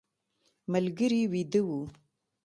ملګري ویده و.